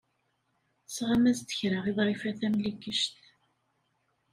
Tesɣam-as-d kra i Ḍrifa Tamlikect.